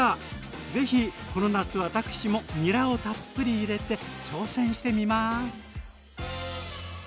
ぜひこの夏私もにらをたっぷり入れて挑戦してみます！